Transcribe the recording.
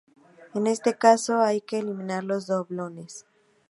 En este caso hay que eliminar los doblones.